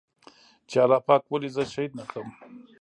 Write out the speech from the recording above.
چې الله پاک ولې زه شهيد نه کړم.